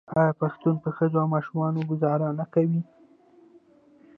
آیا پښتون په ښځو او ماشومانو ګذار نه کوي؟